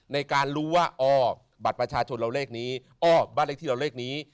ในการรู้ว่าอ้อบัตรประชาชนเราเลขนี้อ้อบ้านเลขที่เราเลขนี้